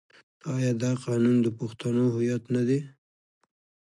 آیا دا قانون د پښتنو هویت نه دی؟